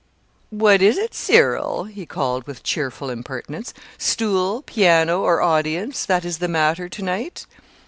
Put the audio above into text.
"Which is it, Cyril?" he called with cheerful impertinence; "stool, piano, or audience that is the matter to night?"